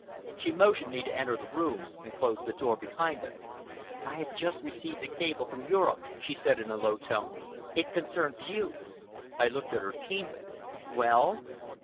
She motioned me to enter the room, and closed the door behind us. "I have just received a cable from Europe," she said in a low tone. "It concerns you!" I looked at her keenly. "Well?"